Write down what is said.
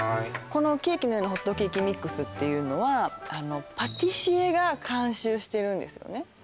この「ケーキのようなホットケーキミックス」っていうのはパティシエが監修してるんですよね